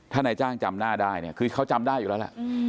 ถ้านายจ้างจำหน้าได้เนี่ยคือเขาจำได้อยู่แล้วล่ะ